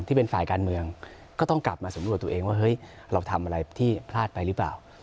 ที่เป็นฝ่ายการเมืองก็ต้องกลับมาสำรวจตัวเองว่าเฮ้ยเราทำอะไรที่พลาดไปหรือเปล่า